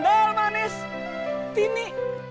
dendol manis tini